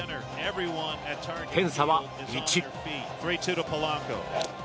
点差は１。